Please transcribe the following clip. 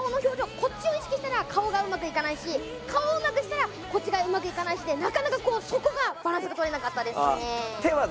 こっちを意識したら顔がうまくいかないし顔をうまくしたらこっちがうまくいかないしでなかなかそこがバランスが取れなかったですね。